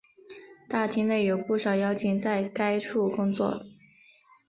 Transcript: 大厅内有不少妖精在该处工作。